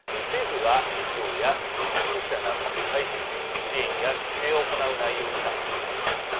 政府が企業や研究者などに対し支援や規制を行う内容になっています。